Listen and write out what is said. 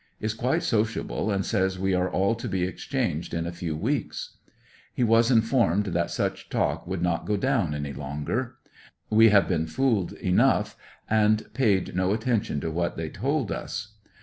Is quite sociable, and says we are all to be excha^iged in a few wee .s. He was informed that such talk would not go down any longer. We had been fooled enough, and paid no attention to what they told us.